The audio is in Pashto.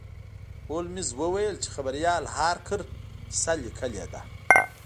هولمز وویل چې خبریال هارکر کیسه لیکلې ده.